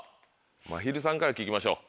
まひるさんから聞きましょう。